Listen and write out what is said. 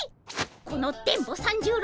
この電ボ三十郎